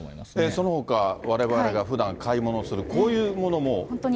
そのほか、われわれがふだん買い物する、こういうものも。